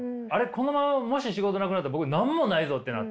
このままもし仕事なくなったら僕何もないぞってなって。